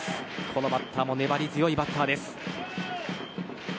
このバッターも粘り強いバッターです。